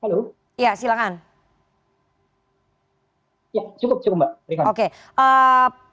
pak gufron tadi dikatakan oleh mas wana dari icw bahwa digitalisasi sebetulnya sudah digaga sejak tahun dua ribu dua puluh dua